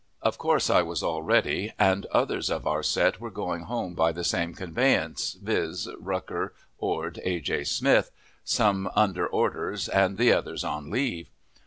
Of course I was all ready, and others of our set were going home by the same conveyance, viz., Rucker, Ord, A. J. Smith some under orders, and the others on leave.